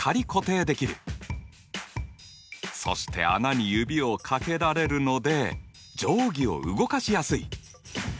そして穴に指を掛けられるので定規を動かしやすい！